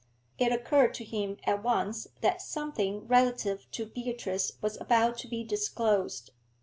It occurred to him at once that something relative to Beatrice was about to be disclosed.